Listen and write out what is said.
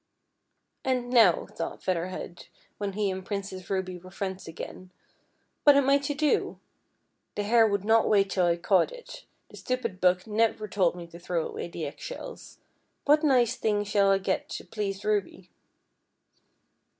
" And now," thought Feather Head, when he and Princess Ruby were friends again, " what am I to do .' The Hare would not wait till I caught it, the stupid book never told me to throw away the egg shells. What nice thing shall I get to please Ruby